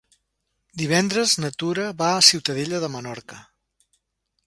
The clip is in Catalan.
Divendres na Tura va a Ciutadella de Menorca.